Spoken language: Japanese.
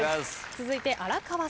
続いて荒川さん。